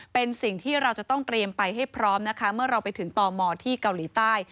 เป็นสิ่งที่เราจะต้องเตรียมไปให้พร้อมนะคะเมื่อเราไปถึงตมที่เกาหลีใต้